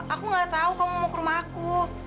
aku gak tahu kamu mau ke rumah aku